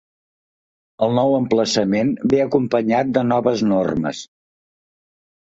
El nou emplaçament ve acompanyat de noves normes.